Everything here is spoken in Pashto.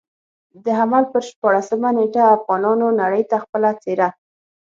د حمل پر شپاړلسمه نېټه افغانانو نړۍ ته خپله څېره.